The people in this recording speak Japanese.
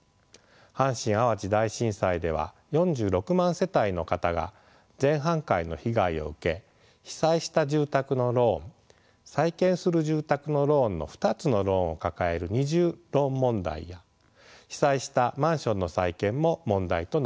阪神・淡路大震災では４６万世帯の方が全半壊の被害を受け被災した住宅のローン再建する住宅のローンの２つのローンを抱える二重ローン問題や被災したマンションの再建も問題となりました。